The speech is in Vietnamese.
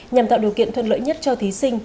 nhằm tạo điều kiện thuận lợi nhất cho thí sinh